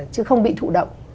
chứ không bị thụ động